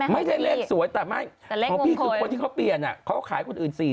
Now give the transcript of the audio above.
มันใช่เลขสวยใช่ไหมค่ะพี่แต่ไม่คุณคนอีก